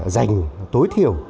dành tối thiểu